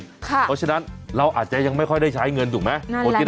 เพราะฉะนั้นเราอาจจะยังไม่ค่อยได้ใช้เงินถูกไหม